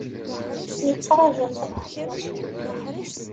Yettraju ad truḥ tmacint.